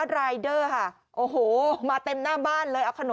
ได้มา๑๐กว่ากร